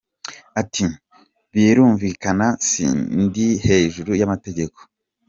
Ati ‘‘Birumvikana si ndi hejuru y’amategeko.